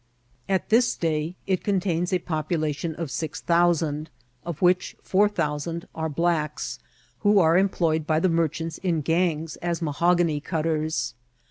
At this day it contains a population of six thousandi of which four thousand are blacks, who are employed by the merchants in gangs as mahogany cutters.